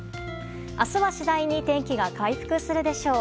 明日は次第に天気が回復するでしょう。